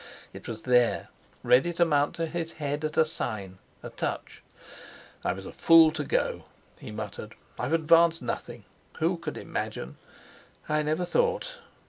It was there, ready to mount to his head at a sign, a touch. "I was a fool to go!" he muttered. "I've advanced nothing. Who could imagine? I never thought!"